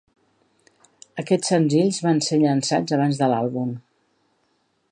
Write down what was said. Aquests senzills van ser llançats abans de l'àlbum.